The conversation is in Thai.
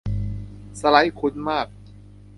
สไลด์คุ้นมาก